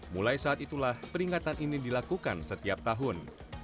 mulai saat itulah peringatan ini dilakukan setiap tahun